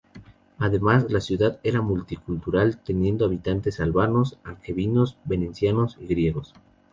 Además, la ciudad era multicultural, teniendo habitantes albanos, angevinos, venecianos y griegos.